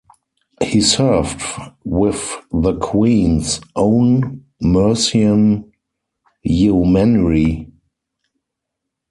He served with the Queen's Own Mercian Yeomanry.